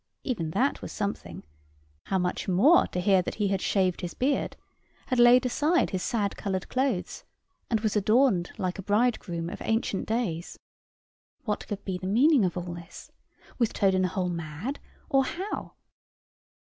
Even that was something: how much more, to hear that he had shaved his beard had laid aside his sad colored clothes, and was adorned like a bridegroom of ancient days. What could be the meaning of all this? Was Toad in the hole mad? or how?